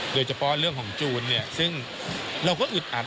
โดยเฉพาะเรื่องของจูนซึ่งเราก็อึดอัด